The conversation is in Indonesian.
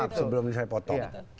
maaf sebelum saya potong